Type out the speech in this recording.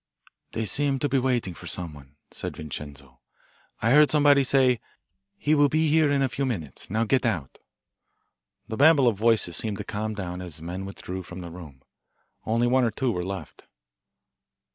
"They seem to be waiting for someone," said Vincenzo. "I heard somebody say: 'He will be here in a few minutes. Now get out.'" The babel of voices seemed to calm down as men withdrew from the room. Only one or two were left.